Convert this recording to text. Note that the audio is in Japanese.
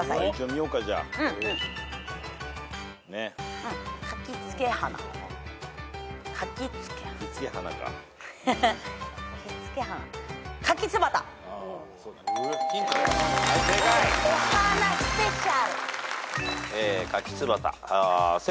お花スペシャル。